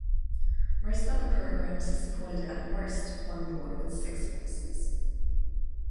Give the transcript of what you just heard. Most other programs supported at most one board with six voices.